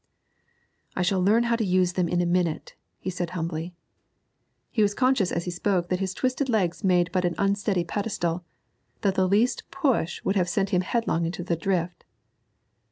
'I shall learn how to use them in a minute,' he said humbly. He was conscious as he spoke that his twisted legs made but an unsteady pedestal, that the least push would have sent him headlong into the drift.